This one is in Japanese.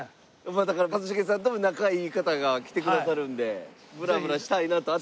だから一茂さんとも仲いい方が来てくださるんでブラブラしたいなと熱海を。